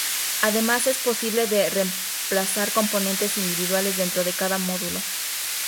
Además, es posible de reemplazar componentes individuales dentro de cada módulo.